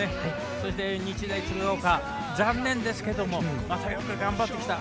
そして、日大鶴ヶ丘残念ですけどもよく頑張ってきた。